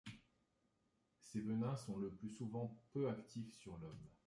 Ces venins sont le plus souvent peu actifs sur l'homme.